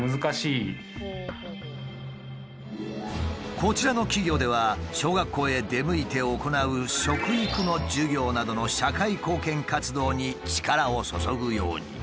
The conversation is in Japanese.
こちらの企業では小学校へ出向いて行う食育の授業などの社会貢献活動に力を注ぐように。